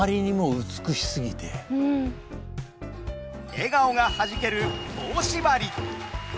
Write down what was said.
笑顔がはじける「棒しばり」。